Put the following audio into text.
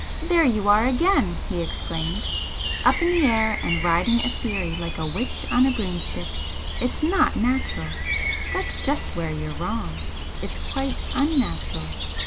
"There you are again!" he exclaimed "Up in the air and riding a theory like a witch on a broomstick! It's NOT natural. That's just where you're wrong! It's quite UN natural.